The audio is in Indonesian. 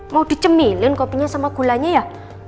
mau dicemilin kopinya sama gulanya ya